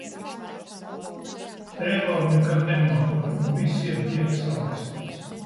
Teiloru nekad nenotver, un visiem tiek samaksāts!